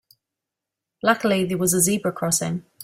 Luckily there was a zebra crossing.